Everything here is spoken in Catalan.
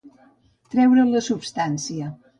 Treure la substància.